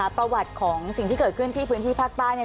ประวัติของสิ่งที่เกิดขึ้นที่พื้นที่ภาคใต้เนี่ย